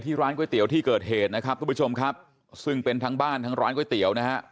ร้านก๋วยเตี๋ยวที่เกิดเหตุนะครับทุกผู้ชมครับซึ่งเป็นทั้งบ้านทั้งร้านก๋วยเตี๋ยวนะฮะ